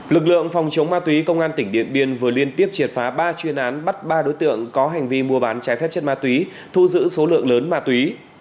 lực lượng phòng chống ma túy công an tỉnh điện biên vừa liên tiếp triệt phá ba chuyên án bắt ba đối tượng có hành vi mua bán trái phép chất ma túy thu giữ số lượng lớn ma túy